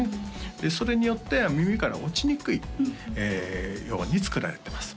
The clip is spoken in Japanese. それによって耳から落ちにくいように作られてます